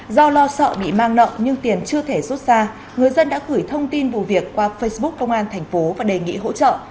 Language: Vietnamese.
do lo sợ bị mang nợng nhưng tiền chưa thể rút ra người dân đã gửi thông tin vụ việc qua facebook công an thành phố và đề nghị hỗ trợ